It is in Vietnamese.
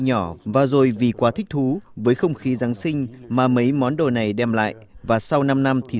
nhỏ và rồi vì quá thích thú với không khí giáng sinh mà mấy món đồ này đem lại và sau năm năm thì